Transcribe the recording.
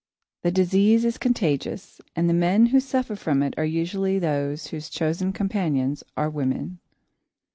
The disease is contagious, and the men who suffer from it are usually those whose chosen companions are women.